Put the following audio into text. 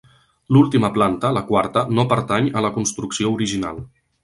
L'última planta, la quarta, no pertany a la construcció original.